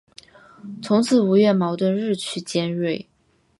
从此吴越矛盾日趋尖锐。